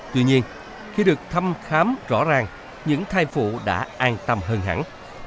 tuy nhiên khi được thăm khám rõ ràng những thai phụ đã an tâm hơn hẳn